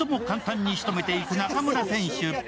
簡単に仕留めていく中村選手。